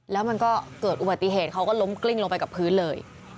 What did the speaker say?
แล้วมันก็เกิดอุบัติเหตุเขาก็ล้มกลิ้งลงไปกับพื้นเลย